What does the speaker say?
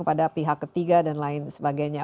pada pihak ketiga dan lain sebagainya